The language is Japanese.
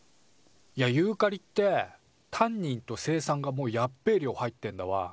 いやユーカリってタンニンと青酸がもうやっべえ量入ってんだわ。